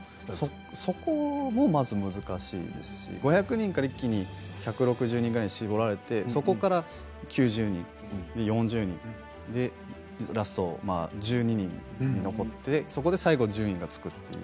そこも難しいですし５００人から一気に１６０人に絞られてそこから９０人、それから４０人ラスト１２人に残ってそこで最後、順位がつくと。